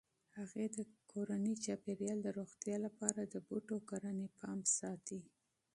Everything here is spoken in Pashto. هغې د کورني چاپیریال د روغتیا لپاره د بوټو کرنې پام ساتي.